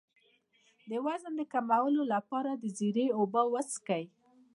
د وزن د کمولو لپاره د زیرې اوبه وڅښئ